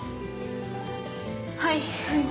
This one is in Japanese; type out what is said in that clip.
はい。